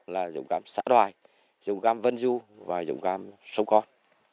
là dòng cam xã đoài dòng cam vân du và dòng cam sâu con